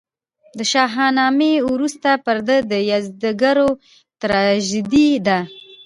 د شاهنامې وروستۍ پرده د یزدګُرد تراژیدي ده.